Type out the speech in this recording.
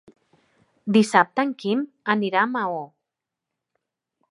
Dissabte en Quim anirà a Maó.